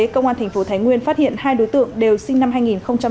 công an tp thái nguyên phát hiện hai đối tượng đều sinh năm hai nghìn